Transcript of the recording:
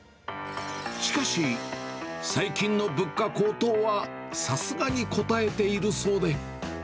しかし、最近の物価高騰はさすがにこたえているそうで。